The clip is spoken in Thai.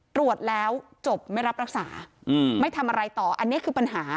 ตรวจแล้วจบไม่รับรักษาไม่ทำอะไรต่ออันนี้คือปัญหา